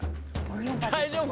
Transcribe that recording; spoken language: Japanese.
大丈夫か？